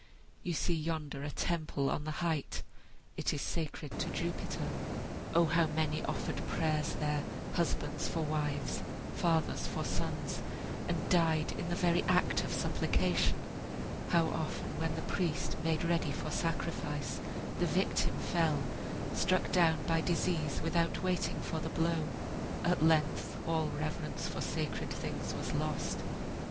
You see yonder a temple on the height. It is sacred to Jupiter. O how many offered prayers there, husbands for wives, fathers for sons, and died in the very act of supplication! How often, while the priest made ready for sacrifice, the victim fell, struck down by disease without waiting for the blow! At length all reverence for sacred things was lost.